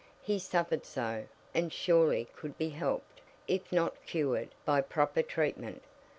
He suffered so, and surely could be helped, if not cured, by proper treatment.